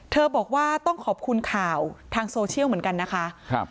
บอกว่าต้องขอบคุณข่าวทางโซเชียลเหมือนกันนะคะ